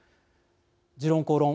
「時論公論」